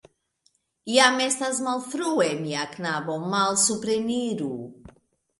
Jam estas malfrue, mia knabo, malsupreniru.